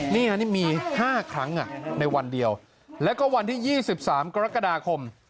นี่อันนี้มีห้าครั้งอ่ะในวันเดียวแล้วก็วันที่ยี่สิบสามกรกฎาคม